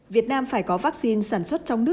việt nam phải có vắc xin sản xuất trong nước